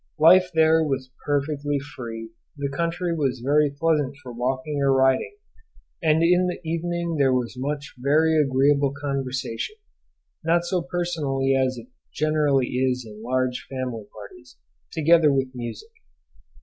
Life there was perfectly free; the country was very pleasant for walking or riding; and in the evening there was much very agreeable conversation, not so personal as it generally is in large family parties, together with music.